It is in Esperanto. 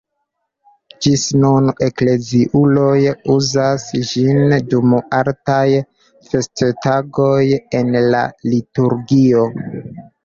Ĝis nun ekleziuloj uzas ĝin dum altaj festotagoj en la liturgio.